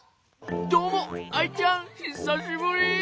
どうもアイちゃんひさしぶり。